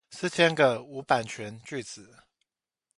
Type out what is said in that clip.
四千個無版權句子